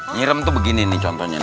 nyirem tuh begini nih contohnya